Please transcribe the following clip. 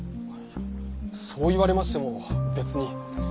そう言われましても別に。